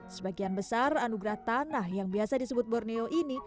sebagian besar anugerah tanah yang biasa disebut borneo ini